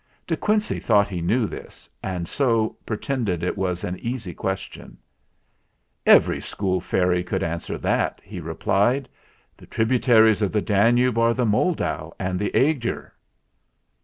De Quincey thought he knew this, and so pretended it was an easy question. "Every school fairy could answer that," he replied. "The tributaries of the Danube are the Moldau and the Eger."